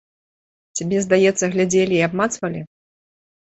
Цябе, здаецца, глядзелі і абмацвалі?